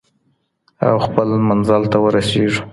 او خپل منزل ته ورسېږو.